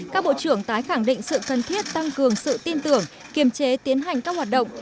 các bộ trưởng tái khẳng định sự cần thiết tăng cường sự tin tưởng kiềm chế tiến hành các hoạt động